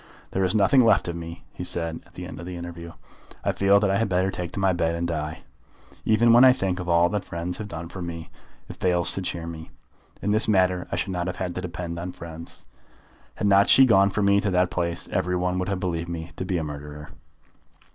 "There is nothing left of me," he said at the end of the interview. "I feel that I had better take to my bed and die. Even when I think of all that friends have done for me, it fails to cheer me. In this matter I should not have had to depend on friends. Had not she gone for me to that place every one would have believed me to be a murderer."